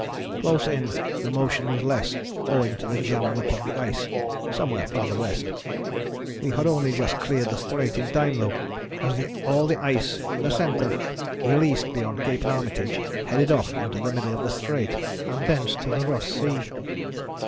Close in, the motion was less owing to the jambing up of the ice somewhere farther west. We had only just cleared the Strait in time though, as all the ice in the centre, released beyond Cape Armitage, headed off into the middle of the Strait, and thence to the Ross Sea.